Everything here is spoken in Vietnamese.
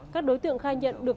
các đối tượng khai nhận được